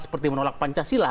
seperti menolak pancasila